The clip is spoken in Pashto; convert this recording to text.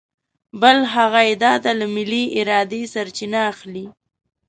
بل هغه یې د ده له ملې ارادې سرچینه اخلي.